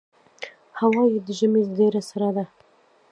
هوا یې د ژمي ډېره سړه ده.